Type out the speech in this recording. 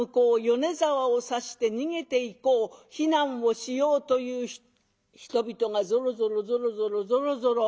米沢を指して逃げていこう避難をしようという人々がぞろぞろぞろぞろぞろぞろ。